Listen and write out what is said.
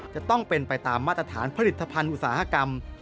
จะต้องเป็นไปตามมาตรฐานผลิตภัณฑ์อุตสาหกรรม